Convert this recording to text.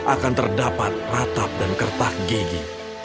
akan terdapat ratap dan kertak gigi